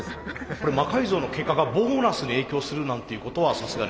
これ魔改造の結果がボーナスに影響するなんていうことはさすがに。